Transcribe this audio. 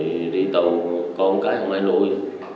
trầm đi tâu con cái không ai nuôi